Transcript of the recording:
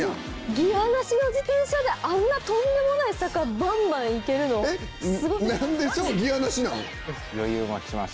ギアなしの自転車であんなとんでもない坂バンバン行けるのすご過ぎます。